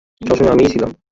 সবসময় আমিই ছিলাম।